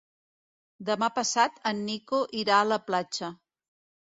Demà passat en Nico irà a la platja.